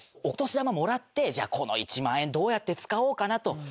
お年玉もらってじゃあこの１万円どうやって使おうかなと。